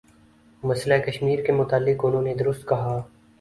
مسئلہ کشمیر کے متعلق انہوں نے درست کہا